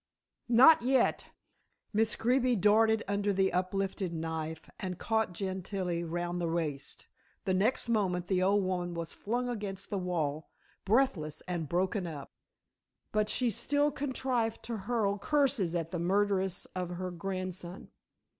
"Not yet." Miss Greeby darted under the uplifted knife and caught Gentilla round the waist. The next moment the old woman was flung against the wall, breathless and broken up. But she still contrived to hurl curses at the murderess of her grandson.